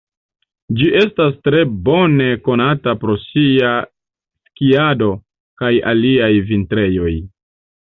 Ĝi estas tre bone konata pro sia skiado kaj aliaj vintrejoj.